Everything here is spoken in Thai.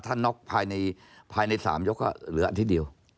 ถ้าน็อกภายใน๓ยกก็เหลืออาทิตย์เดียว